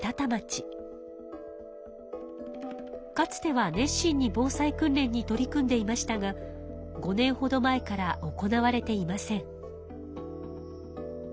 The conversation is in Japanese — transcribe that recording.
かつては熱心に防災訓練に取り組んでいましたが５年ほど前から行われていません。